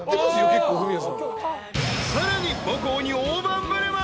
［さらに］